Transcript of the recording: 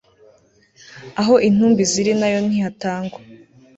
aho intumbi ziri, na yo ntihatangwa